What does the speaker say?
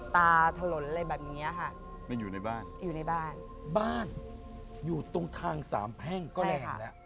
ทางสามแพงก็แรงแล้ว